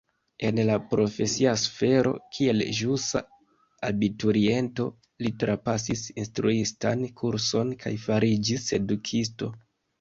En la profesia sfero kiel ĵusa abituriento li trapasis instruistan kurson kaj fariĝis edukisto.